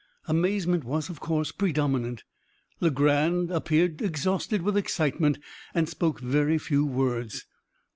Amazement was, of course, predominant. Legrand appeared exhausted with excitement, and spoke very few words.